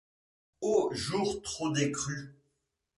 Ô jours trop tôt décrus!